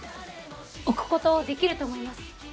置くことできると思います。